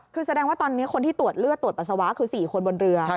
คือแสดงว่าตอนนี้คนที่ตรวจเลือดตรวจปัสสาวะคือ๔คนบนเรือ